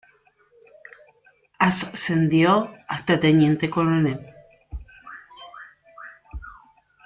Ascendió hasta Teniente Coronel.